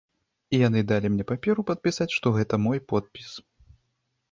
І яны далі мне паперу падпісаць, што гэта мой подпіс.